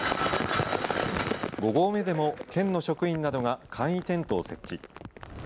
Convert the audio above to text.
５合目でも県の職員などが簡易テントを設置。